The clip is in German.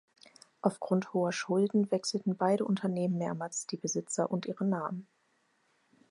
Aufgrund hoher Schulden wechselten beide Unternehmen mehrmals die Besitzer und ihre Namen.